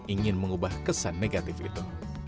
ingin mengubah kesan negatif itu